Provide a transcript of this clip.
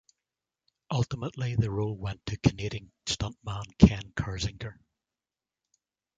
Ultimately, the role went to Canadian stuntman Ken Kirzinger.